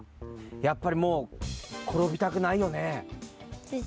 やっぱりもうころびたくないよね。